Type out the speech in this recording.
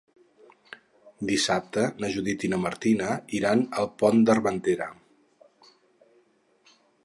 Dissabte na Judit i na Martina iran al Pont d'Armentera.